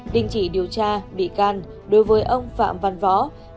đình chỉ điều tra bị can đối với ông phạm văn võ